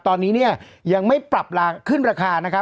ตอนนี้เนี่ยยังไม่ปรับขึ้นราคานะครับ